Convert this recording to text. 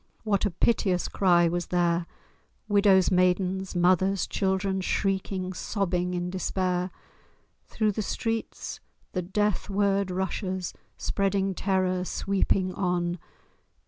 What a piteous cry was there! Widows, maidens, mothers, children, Shrieking, sobbing in despair! Through the streets the death word rushes, Spreading terror, sweeping on.